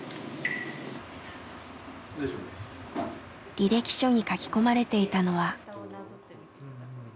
履歴書に書き込まれていたのは。